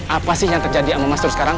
apa sih yang terjadi sama mas tur sekarang